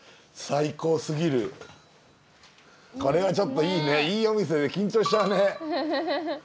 これはちょっといいねいいお店で緊張しちゃうね。